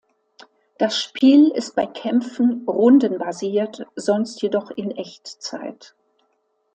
Das Spiel ist bei Kämpfen rundenbasiert, sonst jedoch in Echtzeit.